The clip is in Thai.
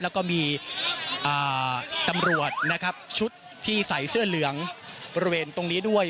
แล้วก็มีตำรวจนะครับชุดที่ใส่เสื้อเหลืองบริเวณตรงนี้ด้วย